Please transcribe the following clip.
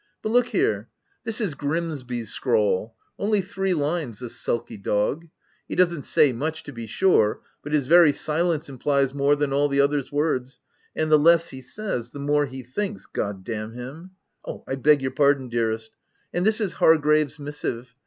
But look here. This OF WILDFELL HALL. 27 is Grimsby's scrawl — only three lines, the sulky dog ! He doesn't say much, to be sure, but his very silence implies more than all the other's words, and the less he says, the more he thinks — G — d — n him !— I beg your pardon, dearest — and this is Hargrave's missive.